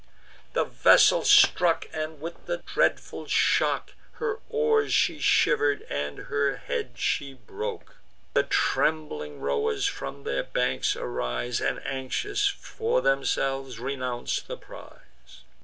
The vessel struck; and, with the dreadful shock, Her oars she shiver'd, and her head she broke. The trembling rowers from their banks arise, And, anxious for themselves, renounce the prize.